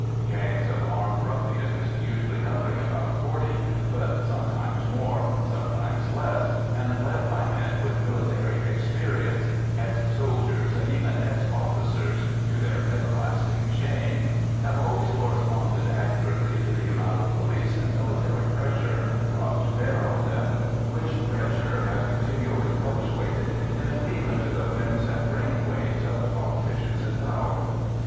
—gangs of armed ruffians, usually numbering about forty, but sometimes more, sometimes less, and led by men with military experience (ex soldiers and even ex officers, to their everlasting shame)—have always corresponded accurately to the amount of police and military pressure brought to bear on them, which pressure has continually fluctuated in agreement to the whims and brain waves of the politicians in power.